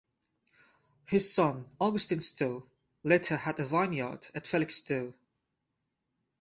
His son, Augustine Stow, later had a vineyard at Felixstow.